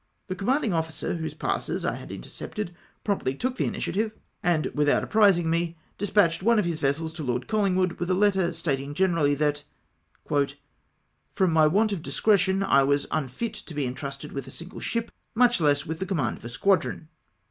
The commanding officer, whose passes I had intercepted, promptly took the initiative, 238 AM RECALLED BY LORD COLLINGWOOD. and without apprising mo, despatclied one of his vessels to Lord CoUingwood, with a letter stating generally that, '■''from my icant of discretion I ivas unfit to he entrusted with a single ship, much less with the command of a squad ron!''